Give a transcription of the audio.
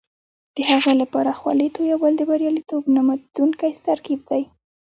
د هغې لپاره خولې تویول د بریالیتوب نه ماتېدونکی ترکیب دی.